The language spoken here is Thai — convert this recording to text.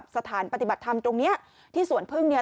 สถานปฏิบัติธรรมตรงนี้ที่สวนพึ่งเนี่ย